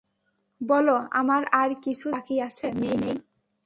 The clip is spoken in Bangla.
বলো, আমার আর কিছু জানার বাকী আছে, মেই-মেই?